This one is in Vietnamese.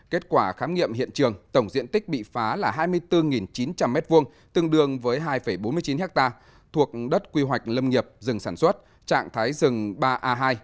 kết quả khám nghiệm hiện trường tổng diện tích bị phá là hai mươi bốn chín trăm linh m hai tương đương với hai bốn mươi chín ha thuộc đất quy hoạch lâm nghiệp rừng sản xuất trạng thái rừng ba a hai